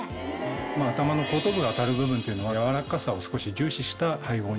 頭の後頭部が当たる部分っていうのは柔らかさを少し重視した配合に。